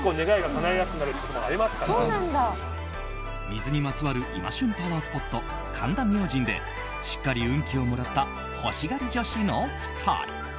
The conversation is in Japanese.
水にまつわる今旬パワースポット、神田明神でしっかり運気をもらった欲しがり女子の２人。